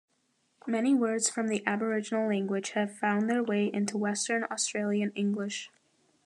Many words from the Aboriginal language have found their way into Western Australian English.